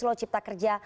loh cipta kerja